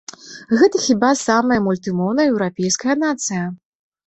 Гэта хіба самая мультымоўная еўрапейская нацыя.